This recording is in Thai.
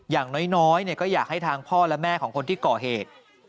อย่างน้อยก็อยากให้ทางพ่อและแม่ของคนที่ก่อเหตุ